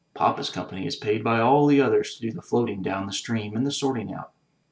Papa's com pany is paid by all the others to do the floating down the stream and the sorting out.